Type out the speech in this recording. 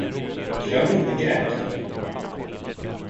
Glöm inte grädden.